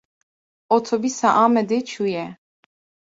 Otobûsa Amedê çûye.